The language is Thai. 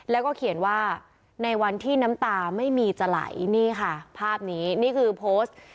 แล้วก็เขียนว่าในวันที่น้ำตาไม่มีจะไหลนี่ค่ะภาพนี้นี่คือโพสต์